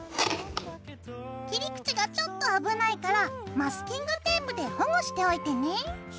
切り口がちょっと危ないからマスキングテープで保護しておいてね。